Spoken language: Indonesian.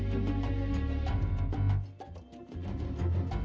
terima kasih bapak